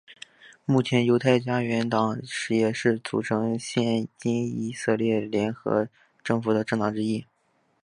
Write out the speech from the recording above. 目前犹太家园党也是组成现今以色列联合政府的政党之一。